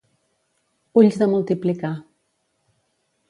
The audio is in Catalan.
Ulls de multiplicar.